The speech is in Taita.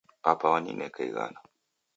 Apa wanineka ighana.